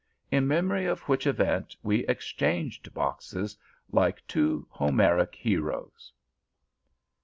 In memory of which event, we exchanged boxes, like two Homeric heroes.